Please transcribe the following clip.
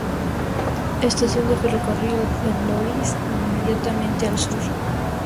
Estación de ferrocarril en Loris, inmediatamente al sur.